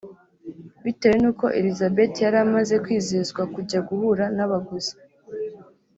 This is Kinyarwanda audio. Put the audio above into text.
Bitewe n’uko Elisabeth yari amaze kwizezwa kujya guhura n’abaguzi